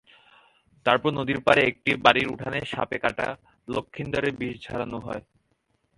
তারপর নদীর পাড়ে একটি বাড়ির উঠানে সাপে কাটা লখিন্দরের বিষ ঝাড়ানো হয়।